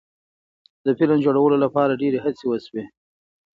د فلم جوړولو لپاره ډیرې هڅې وشوې.